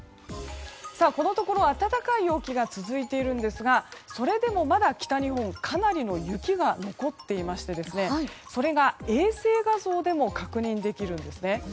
このところ暖かい陽気が続いていますがそれでも北日本はかなりの雪が残っていまして、それが衛星画像でも確認できるんです。